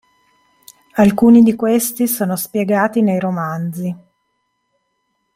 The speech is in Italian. Alcuni di questi sono spiegati nei romanzi.